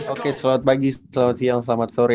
oke selamat pagi selamat siang selamat sore